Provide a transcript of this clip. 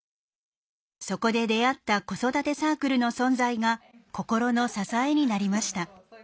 そこで出会った子育てサークルの存在が心の支えになりました。